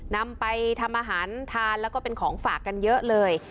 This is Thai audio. นำไปทำอาหารทานแล้วก็เป็นของฝากกันเยอะเลย